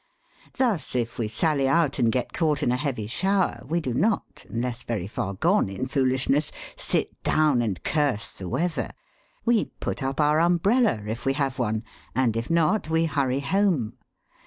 Thus if we sally out and get caught in a heavy shower we do not, unless very far gone in foolishness, sit down and curse the weather. We put up our umbrella, if we have one, and if not we hurry home.